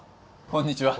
こんにちは。